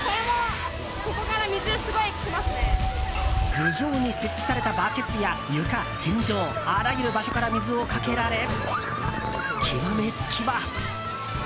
頭上に設置されたバケツや床、天井あらゆる場所から水をかけられ極めつけは。